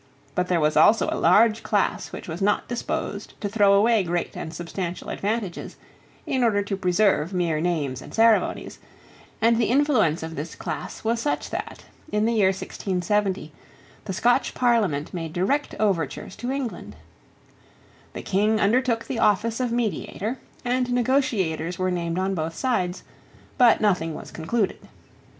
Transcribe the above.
But there was also a large class which was not disposed to throw away great and substantial advantages in order to preserve mere names and ceremonies; and the influence of this class was such that, in the year 1670, the Scotch Parliament made direct overtures to England, The King undertook the office of mediator; and negotiators were named on both sides; but nothing was concluded.